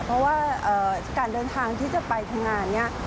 เพราะว่าการเดินทางที่จะไปทำงานเนี่ย